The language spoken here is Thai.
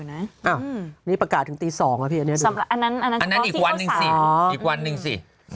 อันนี้ประกาศถึงตี๒อ่ะพี่อันนั้นอีกวันหนึ่งสิ